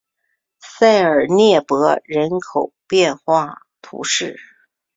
塞尔涅博人口变化图示